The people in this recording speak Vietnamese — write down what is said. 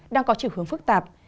đang có trường hướng phức tạp